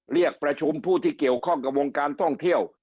เรียกประชุมผู้ที่เกี่ยวข้องกับวงการท่องเที่ยว